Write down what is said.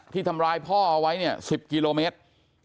ที่ทำร้ายพ่อเอาไว้เนี่ย๑๐กิโลเมตร